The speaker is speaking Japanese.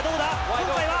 今回は？